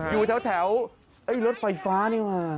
อยู่แถวรถไฟฟ้านี่ว่ะ